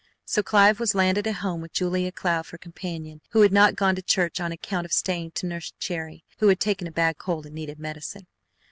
So Clive was landed at home with Julia Cloud for companion, who had not gone to church on account of staying to nurse Cherry, who had taken a bad cold and needed medicine.